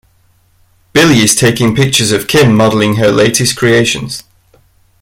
Billy is taking pictures of Kim modeling her latest creations.